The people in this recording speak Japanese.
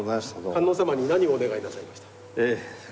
観音様に何をお願いなさいました？